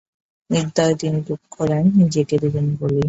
নির্দয় তিনি দুঃখ দেন, নিজেকে দেবেন বলেই।